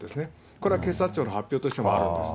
これは警察庁の発表としてもあるんです。